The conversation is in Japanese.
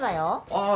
ああ！